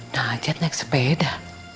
najat naik sepeda